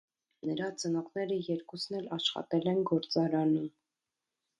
Նրա ծնողները երկուսն էլ աշխատել են գործարանում։